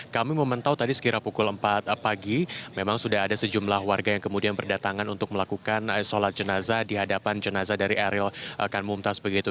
kami memantau tadi sekira pukul empat pagi memang sudah ada sejumlah warga yang kemudian berdatangan untuk melakukan sholat jenazah di hadapan jenazah dari eril kanmumtaz begitu